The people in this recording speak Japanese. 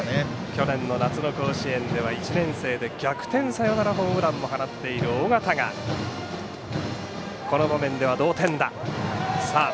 去年の夏の甲子園では１年生で逆転サヨナラホームランも放っている緒方が、この場面では同点打。